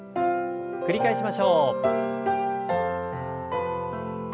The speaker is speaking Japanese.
繰り返しましょう。